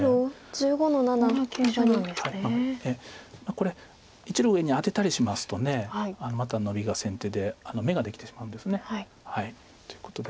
これ１路上にアテたりしますとまたノビが先手で眼ができてしまうんです。ということで。